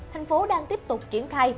thành phố đang tiếp tục triển khai